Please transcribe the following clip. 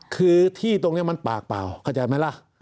คือที่ตรงนี้มันปากเปล่าเข้าใจไหมล่ะ